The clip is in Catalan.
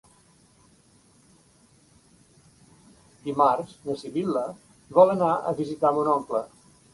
Dimarts na Sibil·la vol anar a visitar mon oncle.